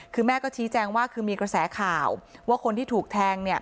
คือแม่ก็ชี้แจงว่าคือมีกระแสข่าวว่าคนที่ถูกแทงเนี่ย